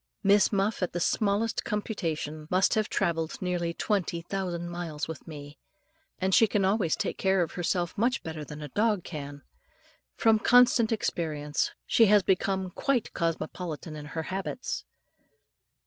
Miss Muff, at the smallest computation, must have travelled nearly 20,000 miles with me; and she can always take care of herself much better than a dog can. From constant experience, she has become quite cosmopolitan in her habits.